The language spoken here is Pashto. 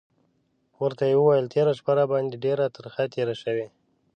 ورته یې وویل: تېره شپه راباندې ډېره ترخه تېره شوې.